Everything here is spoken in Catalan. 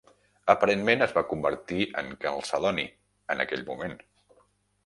Aparentment es va convertir en calcedoni, en aquell moment.